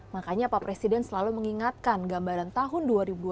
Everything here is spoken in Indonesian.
makanya pak presiden selalu mengingatkan gambaran tahun dua ribu dua puluh